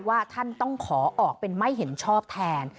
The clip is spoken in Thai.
ว่าท่านต้องขอออกเป็นไม่เห็นชอบแทน